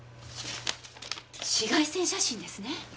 紫外線写真ですね。